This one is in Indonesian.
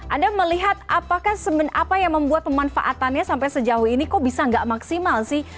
anda melihat apa yang membuat pemanfaatannya sampai sejauh ini kok bisa nggak maksimal sih